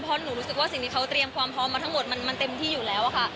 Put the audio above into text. เพราะหนูรู้สึกว่าสิ่งที่เขาเตรียมความพร้อมมาทั้งหมดมันเต็มที่อยู่แล้วค่ะ